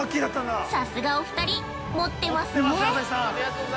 さすが、お２人、持ってますね。